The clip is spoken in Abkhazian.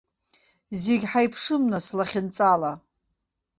Зегь ҳаиԥшым, нас, лахьынҵала!